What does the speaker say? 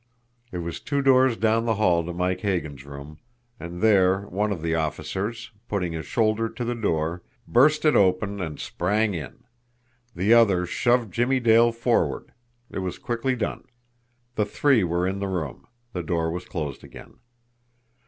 It was two doors down the hall to Mike Hagan's room, and there one of the officers, putting his shoulder to the door, burst it open and sprang in. The other shoved Jimmie Dale forward. It was quickly done. The three were in the room. The door was closed again.